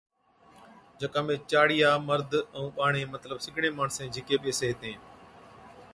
جڪا ۾ چاڙِيا، مرد ائُون ٻاڙين مطلب سِگڙين ماڻسين جھِڪي ٻيسي ھِتين